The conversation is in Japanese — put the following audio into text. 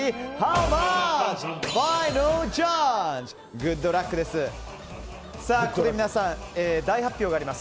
グッドラックです。